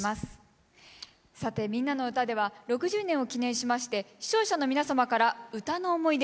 さて「みんなのうた」では６０年を記念しまして視聴者の皆様から歌の思い出を募集しています。